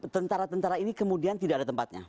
tentara tentara ini kemudian tidak ada tempatnya